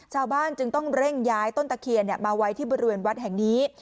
ชาวบ้านจึงต้องเร่งย้ายต้นตะเคียนมาไว้ที่บริเวณวัดแห่งนี้